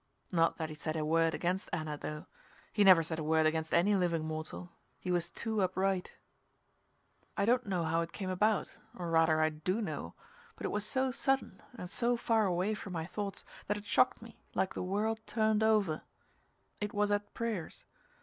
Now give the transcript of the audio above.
Not that he said a word against Anna, though. He never said a word against any living mortal; he was too upright. I don't know how it came about; or, rather, I do know, but it was so sudden, and so far away from my thoughts, that it shocked me, like the world turned over. It was at prayers.